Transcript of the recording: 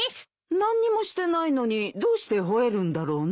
何にもしてないのにどうして吠えるんだろうね？